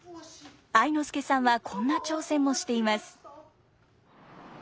愛之助さんはこんな挑戦もしています。